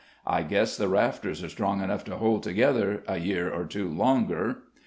I guess the rafters are strong enough to hold together a year or two longer."